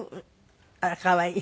あら可愛い。